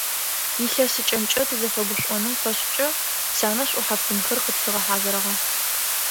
Илъэсыкӏэмкӏэ тызэфэгушӏоным фэшӏкӏэ сянэ шӏухьэфтынхэр къытфигъэхьазырыгъэ.